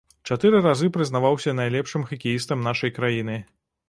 Чатыры разы прызнаваўся найлепшым хакеістам нашай краіны.